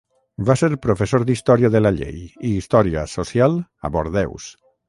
Va ser professor d'història de la llei i història social a Bordeus.